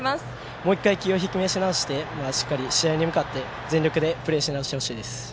もう１回気を引き締めなおして試合に向かって全力でプレーしなおしてほしいです。